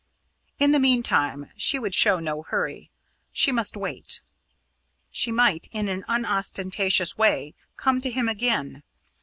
In the meantime, she would show no hurry she must wait. She might, in an unostentatious way, come to him again.